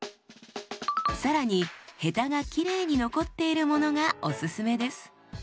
更にヘタがきれいに残っているものがおすすめです。